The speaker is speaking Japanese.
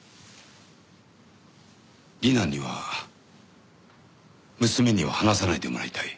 里奈には娘には話さないでもらいたい。